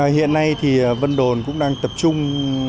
hiện nay thì vân đồn cũng đang tập trung